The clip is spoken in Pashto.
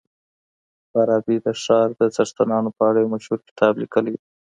فارابي د ښار د څښتنانو په اړه يو مشهور کتاب ليکلی دی.